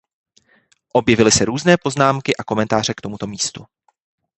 Objevily se různé poznámky a komentáře k tomuto místu.